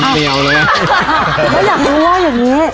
พี่หยันตงว่าไหน